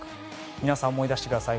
皆さん、思い出してください。